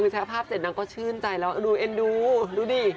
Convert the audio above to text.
แชร์ภาพเสร็จนางก็ชื่นใจแล้วดูเอ็นดูดูดิ